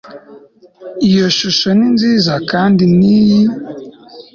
Iyo shusho ni nziza kandi niyi